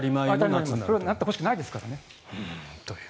なってほしくないですからね。